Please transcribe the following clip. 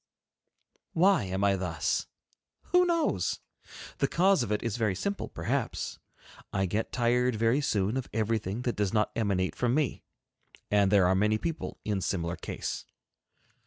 Why am I thus? Who knows? The cause of it is very simple perhaps. I get tired very soon of everything that does not emanate from me. And there are many people in similar case.